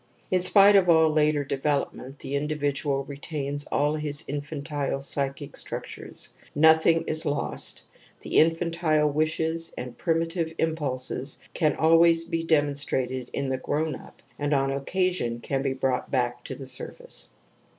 In spite of all later development the individual retains all his infantile psychic struc Itures. Nothing is lost ; the infantile wishes and primitive impulses can always be demon strated in the grown up and on occasion can be brought back to the surface.